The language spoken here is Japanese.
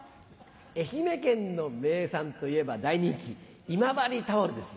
愛媛県の名産といえば大人気今治タオルですよ。